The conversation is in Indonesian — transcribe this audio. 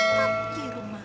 boleh bantu kan